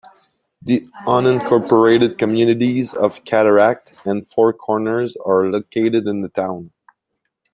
The unincorporated communities of Cataract and Four Corners are located in the town.